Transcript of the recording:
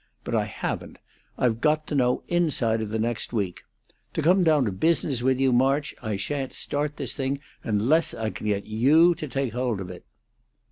But I haven't. I've got to know inside of the next week. To come down to business with you, March, I sha'n't start this thing unless I can get you to take hold of it."